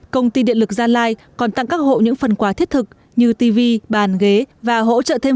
công ty điện lực gia lai còn tặng các hộ những phần quà thiết thực như tv bàn ghế và hỗ trợ thêm